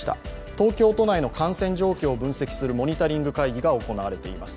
東京都内の感染状況を分析するモニタリング会議が行われています。